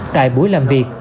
tại buổi làm việc